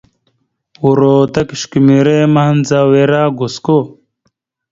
Uro ta kʉsəkumere mahəndzaw ere gosko.